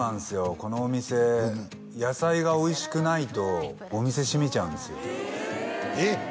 このお店野菜がおいしくないとお店閉めちゃうんですよえっ？